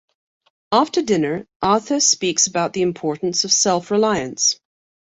After dinner, Arthur speaks about the importance of self-reliance.